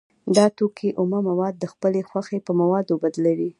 دا توکی اومه مواد د خپلې خوښې په موادو بدلوي